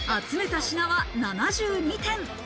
集めた品は７２点。